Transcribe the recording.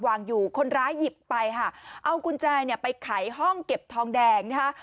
วางอยู่คนร้ายหยิบไปค่ะเอากุญแจเนี่ยไปไขห้องเก็บทองแดงนะคะ